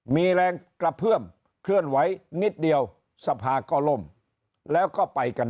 มีแรงกระเพื่อมเคลื่อนไหวนิดเดียวสภาก็ล่มแล้วก็ไปกัน